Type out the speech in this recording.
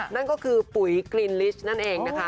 นั่นก็คือปุ๋ยกลินลิสนั่นเองนะคะ